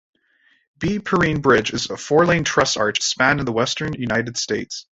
B. Perrine Bridge is four-lane truss arch span in the western United States.